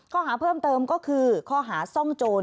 ข้อหาเพิ่มเติมก็คือข้อหาซ่องโจร